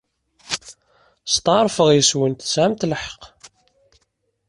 Steɛṛfeɣ yes-went tesɛamt lḥeqq.